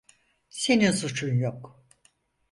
Senin suçun yok.